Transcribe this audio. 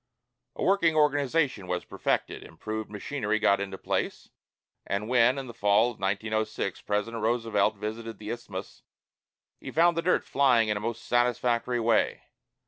A working organization was perfected, improved machinery got into place, and when, in the fall of 1906, President Roosevelt visited the Isthmus, he found the dirt flying in a most satisfactory way.